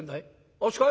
「あっしかい？